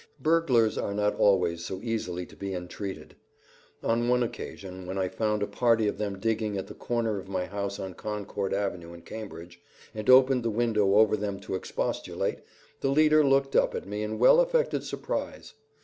Burglars are not always so easily to be entreated. On one occasion, when I found a party of them digging at the corner of my house on Concord Avenue in Cambridge, and opened the window over them to expostulate, the leader looked up at me in well affected surprise.